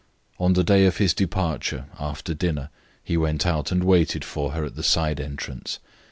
On the day of his departure, after dinner, he went out and waited for her at the side entrance.